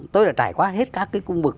tôi đã trải qua hết các cái cung bực